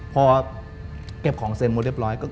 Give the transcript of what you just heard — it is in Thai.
พอเก็บของเซ็นต์โมดเรียบร้อย